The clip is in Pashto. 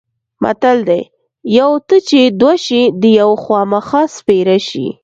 متل دی: یوه ته چې دوه شي د یوه خوامخا سپېره شي.